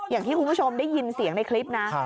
อย่างที่คุณผู้ชมได้ยินเสียงในคลิปนะ